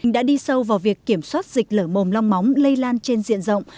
đã đi sâu vào việc kiểm soát dịch lở mồm long móng lây lan trên diện rộng